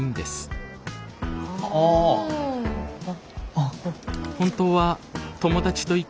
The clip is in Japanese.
あっ。